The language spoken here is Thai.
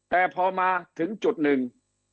แต่พอมาถึงจุดหนึ่ง